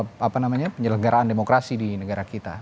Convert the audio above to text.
apa namanya penyelenggaraan demokrasi di negara kita